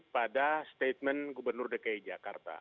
pada statement gubernur dki jakarta